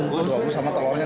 bungkus sama telurnya dua